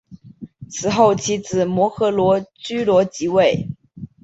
死后其子摩醯逻矩罗即位。